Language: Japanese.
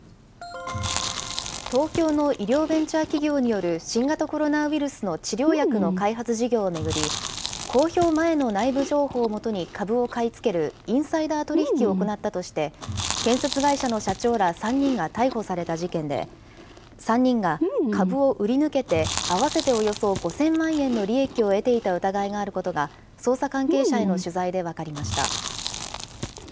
東京の医療ベンチャー企業による新型コロナウイルスの治療薬の開発事業を巡り、公表前の内部情報をもとに、株を買い付けるインサイダー取り引きを行ったとして、建設会社の社長ら３人が逮捕された事件で、３人が株を売り抜けて合わせておよそ５０００万円の利益を得ていた疑いがあることが、捜査関係者への取材で分かりました。